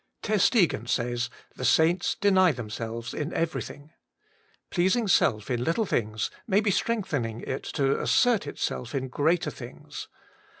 Tersteegen says :' The saints deny themselves in everything.' Pleasing self in little things may be strengthening it to assert itself in greater things.